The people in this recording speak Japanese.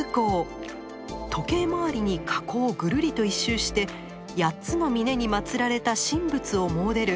時計回りに火口をぐるりと１周して８つの峰にまつられた神仏を詣でる